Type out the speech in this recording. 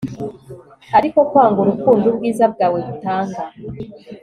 ariko, kwanga urukundo ubwiza bwawe butanga